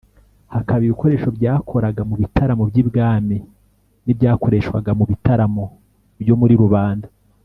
Hakaba ibikoresho byakoraga mu bitaramo by’ibwami n’ibyakoreshwaga mu bitaramo byo muri rubanda.